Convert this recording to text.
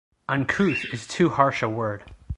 Uncouth is too harsh a word.